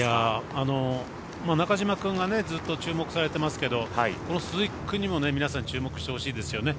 中島君がずっと注目されてますけどこの鈴木君にも皆さん、注目してほしいですね。